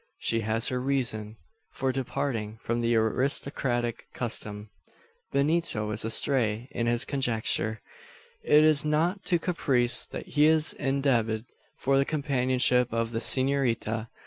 She has her reason for departing from the aristocratic custom. Benito is astray in his conjecture. It is not to caprice that he is indebted for the companionship of the senorita.